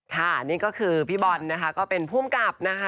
ค่ะนี่ก็คือพี่บอลนะคะก็เป็นภูมิกับนะคะ